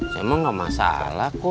saya mah nggak masalah kum